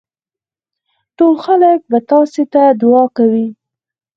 ټول خلک به تاسي ته دعا کوي.